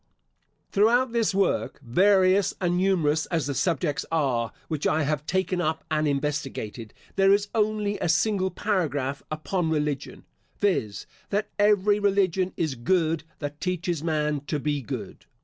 Throughout this work, various and numerous as the subjects are, which I have taken up and investigated, there is only a single paragraph upon religion, viz. "that every religion is good that teaches man to be good."